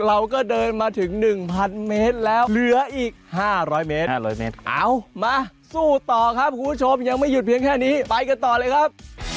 เราก็เดินมาถึง๑๐๐เมตรแล้วเหลืออีก๕๐๐เมตร๕๐๐เมตรเอามาสู้ต่อครับคุณผู้ชมยังไม่หยุดเพียงแค่นี้ไปกันต่อเลยครับ